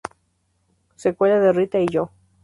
Secuela de "Rita y yo".